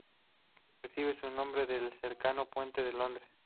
Recibe su nombre del cercano Puente de Londres.